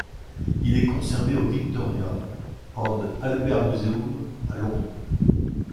Il est conservé au Victoria and Albert Museum à Londres.